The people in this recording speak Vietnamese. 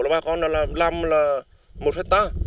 bà con đã làm một phép tác